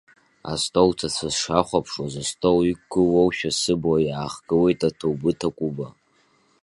Астол ҭацәы сшахәаԥшуаз, астол иқәгылоушәа сыбла иаахгылеит аҭоубыҭ акәыба.